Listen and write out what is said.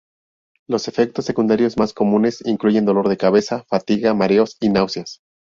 Los efectos secundarios más comunes incluyen dolor de cabeza, fatiga, mareos y náuseas.